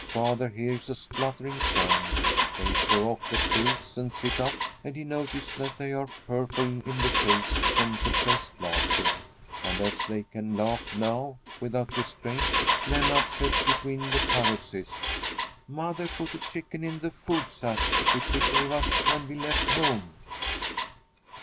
Father hears a spluttering sound. They throw off the quilts and sit up, and he notices that they are purple in the face from suppressed laughter. And as they can laugh now without restraint, Lennart says between the paroxysms, "Mother put a chicken in the food sack which she gave us when we left home."